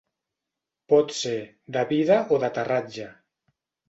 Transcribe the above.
Pot ser de vida o d'aterratge.